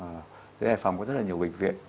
ở dưới hải phòng có rất là nhiều bệnh viện